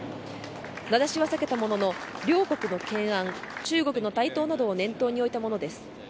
名指しは避けたものの両国の懸案中国の台頭などを念頭に置いたものです。